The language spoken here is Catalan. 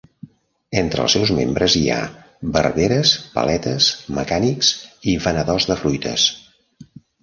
Entre els seus membres hi ha barberes, paletes, mecànics i venedors de fruites.